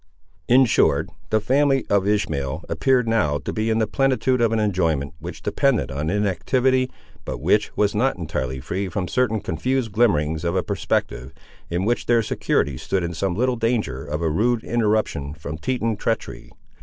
In short, the family of Ishmael appeared now to be in the plenitude of an enjoyment, which depended on inactivity, but which was not entirely free from certain confused glimmerings of a perspective, in which their security stood in some little danger of a rude interruption from Teton treachery.